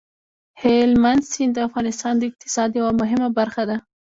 هلمند سیند د افغانستان د اقتصاد یوه مهمه برخه ده.